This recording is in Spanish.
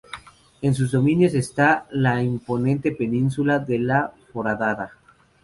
En sus dominios está la imponente península de la Foradada.